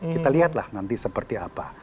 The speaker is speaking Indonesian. kita lihatlah nanti seperti apa